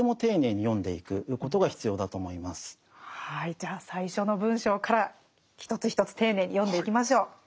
じゃあ最初の文章から一つ一つ丁寧に読んでいきましょう。